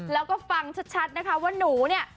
แล้วก็ฟังชัดนะคะว่าหนูเนี่ย